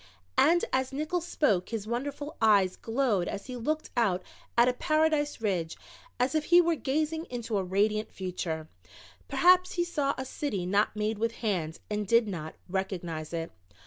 And as Nickols spoke his wonderful eyes glowed as he looked out at Paradise Ridge as if he were gazing into a radiant future perhaps he saw a city not made with hands and did not recognize it.